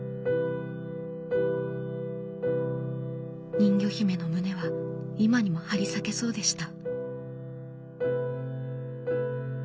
人魚姫の胸は今にも張り裂けそうでした。